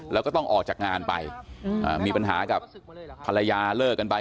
แล้วก็ต้องออกจากงานไปมีปัญหากับภรรยาเลิกกันไป